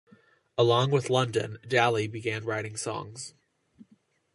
Along with Lundon, Daly began writing songs.